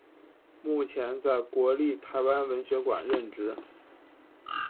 目前在国立台湾文学馆任职。